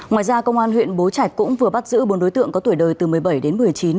ngoài ra công an huyện bố trạch cũng vừa bắt giữ bốn đối tượng có tuổi đời từ một mươi bảy đến một mươi chín